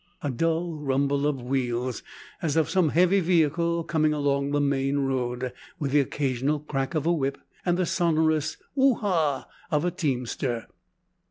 A dull rumble of wheels, as of some heavy vehicle coming along the main road, with the occasional crack of a whip, and the sonorous "wo ha" of a teamster.